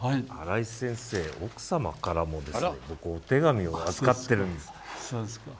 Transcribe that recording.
新井先生の奥様からも僕、お手紙を預かってるんです。